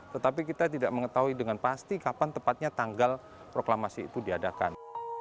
tetapi kita tidak mengetahui dengan pasti kapan tepatnya tanggal proklamasi itu diadakan